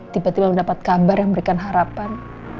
tiba tiba mendapat kabar yang memberikan harapan